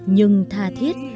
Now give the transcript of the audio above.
nhưng tha thiết